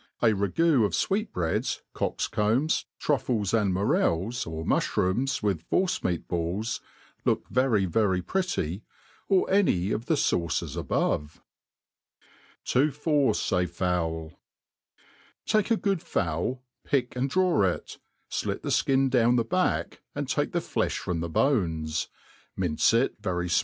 A ragoo^ of fweet breads, cock's combs, truffles, and morels, or mufhrooms, with force meat balls, look very \^ry pretty, or any of the fauces above. To force a FowL TAKE a good fowl, pick and draw it, flit the (kin down the back, and take the liefh from the bones j| mince it very fmalL • MADE PLAIN AND EASY.